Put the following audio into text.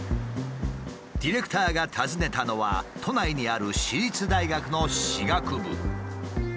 ディレクターが訪ねたのは都内にある私立大学の歯学部。